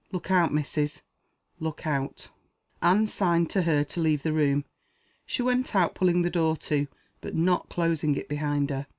Look out, missus look out." Anne signed to her to leave the room. She went out, pulling the door to, but not closing it behind her.